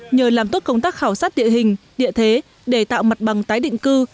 nhờ làm tốt công tác khảo sát địa hình địa thế để tạo mặt bằng tái định cư